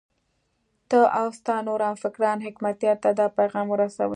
ته او ستا نور همفکران حکمتیار ته دا پیغام ورسوئ.